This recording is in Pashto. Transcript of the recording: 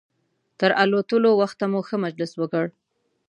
تر الوتلو وخته مو ښه مجلس وکړ.